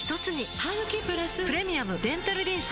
ハグキプラス「プレミアムデンタルリンス」